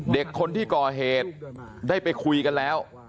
เด็กคนที่ก่อเหตุได้ไปคุยกันแล้ว